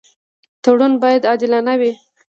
تړون باید عادلانه وي.